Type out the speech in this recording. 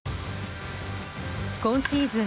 今シーズン